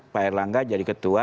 pak erlangga jadi ketua